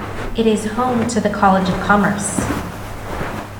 It is home to the College of Commerce.